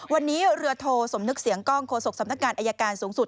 วันนี้เรือโทสมนึกเสียงกล้องโฆษกสำนักงานอายการสูงสุด